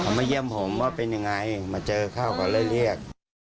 มาเยี่ยมผมว่าเป็นยังไงมาเจอเข้าก็เลยเรียก